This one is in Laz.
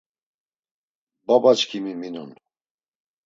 Babaçkimi minon.